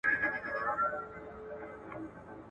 په لاسو کي د اغیار لکه پېلوزی.